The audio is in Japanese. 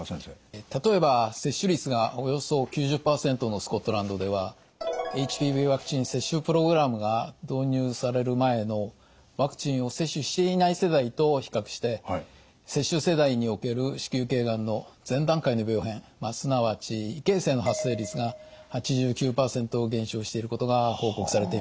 例えば接種率がおよそ９０％のスコットランドではＨＰＶワクチン接種プログラムが導入される前のワクチンを接種していない世代と比較して接種世代における子宮頸がんの前段階の病変すなわち異形成の発生率が８９％減少していることが報告されています。